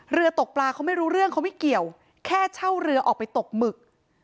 เรือตกปลาเขาไม่รู้เรื่องเขาไม่เกี่ยวแค่เช่าเรือออกไปตกหมึก